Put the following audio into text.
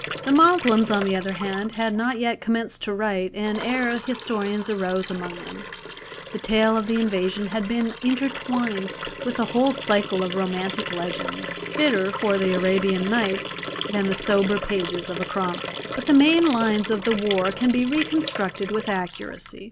The Moslems, on the other hand, had not yet commenced to write, and ere historians arose among them, the tale of the invasion had been intertwined with a whole cycle of romantic legends, fitter for the "Arabian Nights" than the sober pages of a chronicle. But the main lines of the war can be reconstructed with accuracy.